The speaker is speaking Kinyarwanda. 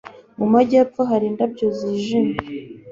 mu majyepfo hari indabyo zijimye